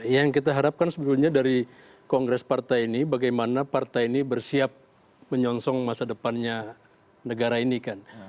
yang kita harapkan sebetulnya dari kongres partai ini bagaimana partai ini bersiap menyongsong masa depannya negara ini kan